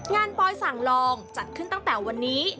ปอยสั่งลองจัดขึ้นตั้งแต่วันนี้